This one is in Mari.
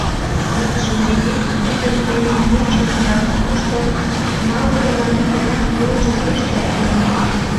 Майор йолжым йыген; вӱдым келын вончымо да купышто малымылан кӧра йолжо пеш чот пеҥын.